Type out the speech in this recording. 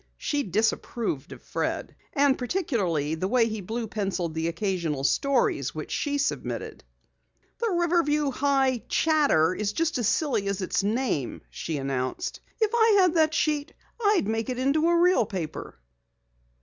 She disapproved of Fred, his pimples, and particularly the way he blue penciled the occasional stories which she submitted. "The Riverview High Chatter is just as silly as its name," she announced. "If I had that sheet I'd make it into a real paper."